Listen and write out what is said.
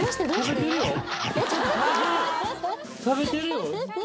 食べてるよ。